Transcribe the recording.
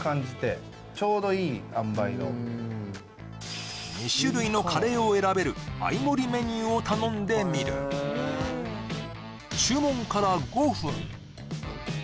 そうすると２種類のカレーを選べる合い盛りメニューを頼んでみる注文から５分